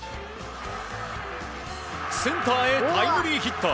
センターへタイムリーヒット。